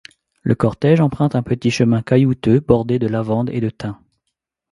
Le cortège emprunte un petit chemin caillouteux bordé de lavandes et de thym.